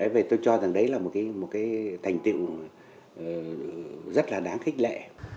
vậy tôi cho rằng đấy là một cái thành tựu rất là đáng khích lệ